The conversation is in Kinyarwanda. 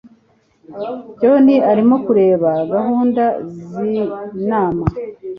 john arimo kureba gahunda zinama